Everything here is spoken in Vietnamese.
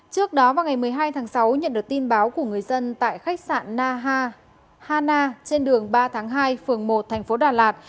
trước đó vào ngày một mươi hai tháng sáu nhận được tin báo của người dân tại khách sạn na ha na trên đường ba tháng hai phường một tp đà lạt